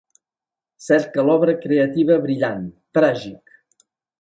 Cerca l'obra creativa Brilliant! Tragic!